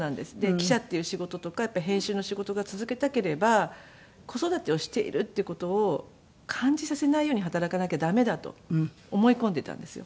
記者っていう仕事とか編集の仕事が続けたければ子育てをしているっていう事を感じさせないように働かなきゃ駄目だと思い込んでいたんですよ。